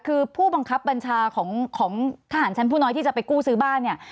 คือผู้บังคับบัญชาของทหารชั้นผู้น้อยที่จะไปกู้ซื้อบ้านเนี่ย